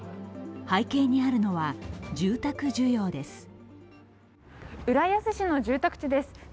背景にあるのは、住宅需要です。